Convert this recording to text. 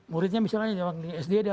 muridnya misalnya sd ada